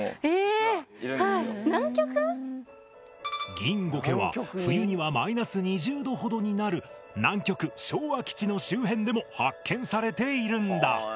ギンゴケは冬にはマイナス２０度ほどになる南極・昭和基地の周辺でも発見されているんだ。